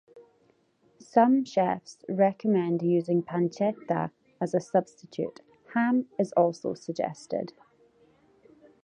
Some chefs recommend using pancetta as a substitute; ham is also suggested.